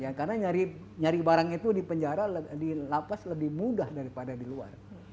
ya karena nyari barang itu di penjara di lapas lebih mudah daripada di luar